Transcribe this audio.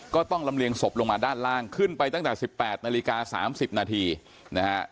ต้องลำเลียงศพลงมาด้านล่างขึ้นไปตั้งแต่๑๘นาฬิกา๓๐นาทีนะฮะ